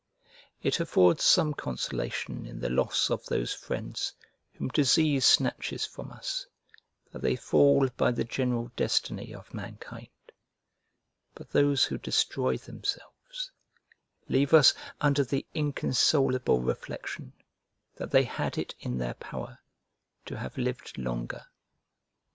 It affords some consolation in the loss of those friends whom disease snatches from us that they fall by the general destiny of mankind; but those who destroy themselves leave us under the inconsolable reflection, that they had it in their power to have lived longer.